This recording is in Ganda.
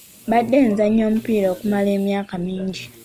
Mbadde nzannya omupiira okumala emyaka mingi.